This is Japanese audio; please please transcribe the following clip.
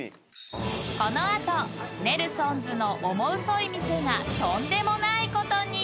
［この後ネルソンズのオモウソい店がとんでもないことに！］